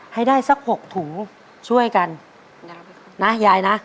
ให้ได้สักหกถุงช่วยกัน